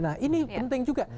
nah ini penting juga